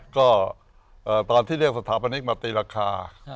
ก็ตอนที่เรียกสถาปนิกมาตีราคา